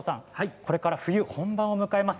これから冬本番を迎えます